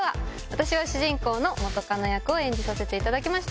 私は主人公の元カノ役を演じさせていただきました。